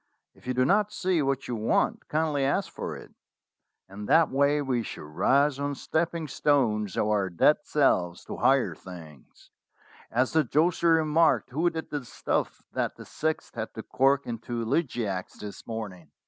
'If you do not see what you want, kindly ask for it/ In that way we shall rise on stepping stones of our dead selves to higher things, as the josser remarked who did the stuff that the sixth had to cork into Elegiacs this morning."